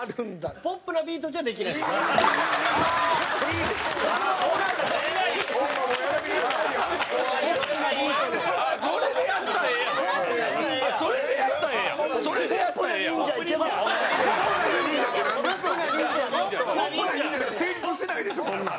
ポップな忍者って成立してないでしょ、そんなん。